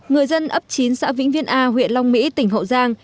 người dân ấp chín xã vĩnh viên a huyện long mỹ tỉnh hậu giang